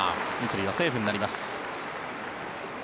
１塁はセーフになります。